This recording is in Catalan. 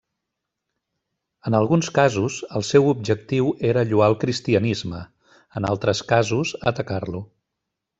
En alguns casos, el seu objectiu era lloar el cristianisme, en altres casos, atacar-lo.